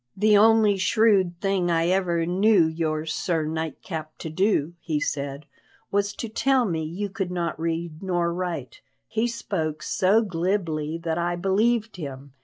"The only shrewd thing I ever knew your Sir Nightcap to do," he said, "was to tell me you could not read nor write. He spoke so glibly that I believed him.